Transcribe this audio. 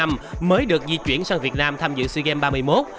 mới được di chuyển sang việt nam tham dự sea games ba mươi một